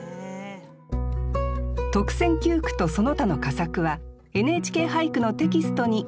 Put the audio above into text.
特選九句とその他の佳作は「ＮＨＫ俳句」のテキストに掲載されます。